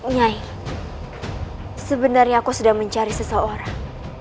nyai sebenarnya aku sudah mencari seseorang